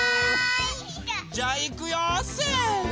じゃいくよせの！